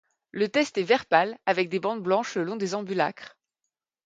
Le test est vert pâle avec des bandes blanches le long des ambulacres.